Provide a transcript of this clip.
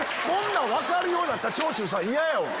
そんなん分かるようになった長州さん嫌やわ。